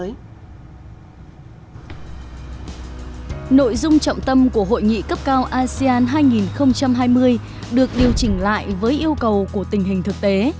nội dung trọng tâm của hội nghị cấp cao asean hai nghìn hai mươi được điều chỉnh lại với yêu cầu của tình hình thực tế